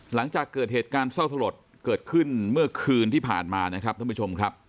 หลังจากเกิดเหตุการณ์เศร้าสลดเกิดขึ้นเมื่อคืนที่ผ่านมานะครับท่านผู้ชมครับ